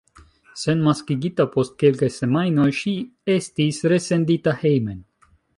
Senmaskigita post kelkaj semajnoj, ŝi estis resendita hejmen.